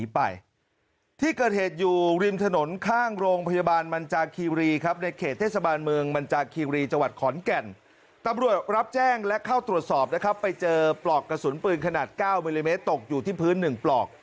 ปืนขนาด๙มิลลิเมตรตกอยู่ที่พื้นหนึ่งปลอก